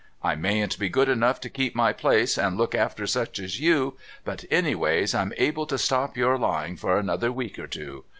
I mayn't be good enough to keep my place and look after such as you, but anyways I'm able to stop your lying for another week or two.